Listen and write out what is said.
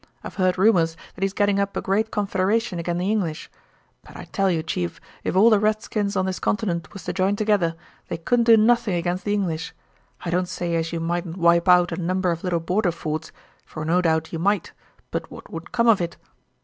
I've heard rumors that he's getting up a great confederation agin the English. But I tell you, chief, if all the redskins on this continent was to jine together, they couldn't do nothing agin the English. I don't say as you mightn't wipe out a number of little border forts, for no doubt you might; but what would come of it?